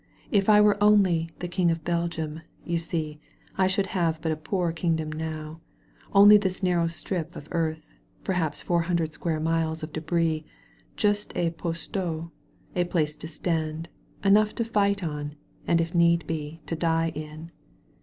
If I were only 'the King of Belgium,' you see, I should have but a poor kingdom now — only this narrow strip of earth, perhaps four hundred square miles of debris, just a *pou slo^* a place to stand, enough to fight on, and if need be to die in.